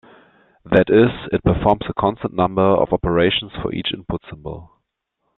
That is, it performs a constant number of operations for each input symbol.